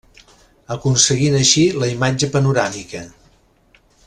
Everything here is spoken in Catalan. Aconseguint així la imatge panoràmica.